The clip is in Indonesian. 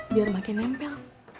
biar makin nempel